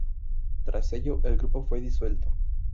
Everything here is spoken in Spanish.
Tras ello, el grupo fue disuelto.